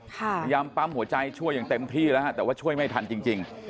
พยายามปั๊มหัวใจช่วยอย่างเต็มที่แล้วฮะแต่ว่าช่วยไม่ทันจริง